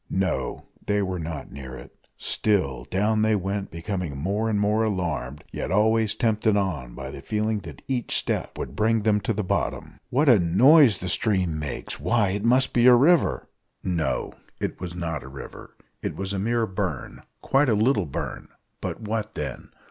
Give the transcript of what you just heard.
No, they were not near it; still down they went, becoming more and more alarmed, yet always tempted on by the feeling that each step would bring them to the bottom. "What a noise the stream makes! why, it must be a river!" No, it was not a river it was a mere burn; quite a little burn, but what then?